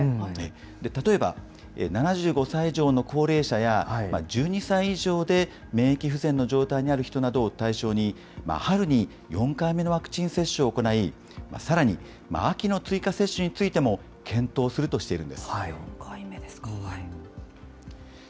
例えば７５歳以上の高齢者や、１２歳以上で免疫不全の状態にある人などを対象に、春に４回目のワクチン接種を行い、さらに、秋の追加接種についても検討すると４回目ですか？